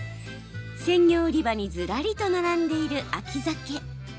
鮮魚売り場にずらりと並んでいる秋ザケ。